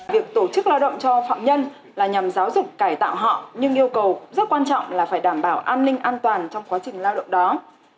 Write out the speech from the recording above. việc tổ chức lao động cho phạm nhân là nhằm giáo dục cải tạo họ nhưng yêu cầu rất quan trọng là phải đảm bảo an ninh an toàn